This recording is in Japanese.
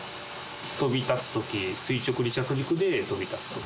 飛び立つとき、垂直離着陸で飛び立つと。